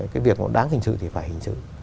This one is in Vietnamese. cái việc đáng hình xử thì phải hình xử